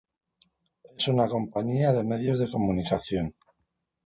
Es una compañía de medios de comunicación.